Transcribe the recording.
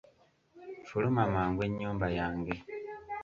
Fuluma mangu ennyumba yange!